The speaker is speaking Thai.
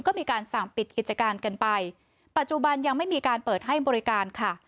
ก็มีการสั่งปิดกิจการกันไปปัจจุบันยังไม่มีการเปิดให้บริการค่ะ